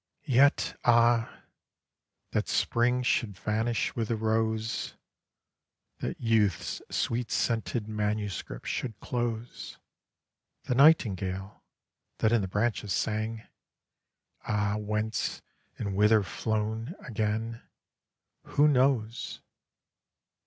"Yet ah! that Spring should vanish with the Rose! That Youth's sweet scented manuscript should close! The Nightingale, that in the branches sang, Ah whence, and whither flown again, who knows!